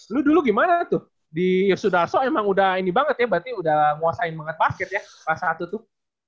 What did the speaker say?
lu dulu gimana tuh di yosudarso emang udah ini banget ya berarti udah nguasain banget basket ya kelas satu tuh